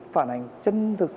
phản hành chân thực